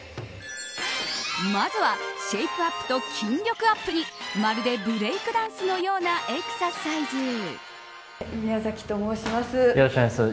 まずはシェイプアップと筋力ＵＰにまるでブレイクダンスのようなエクササイズ。